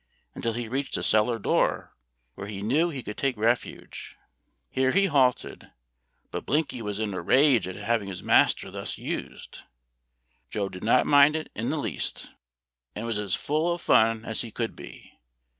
until he reached a cellar door, where he knew he could take refuge. Here he halted; but Blinky was in a rage at having his master thus used. Joe did not mind it in the least, and was as full of fun as he could be.